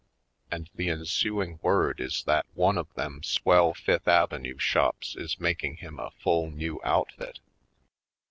And the en suing word is that one of them swell Fifth Avenue shops is making him a full new outfit.